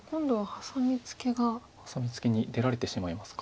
ハサミツケに出られてしまいますか。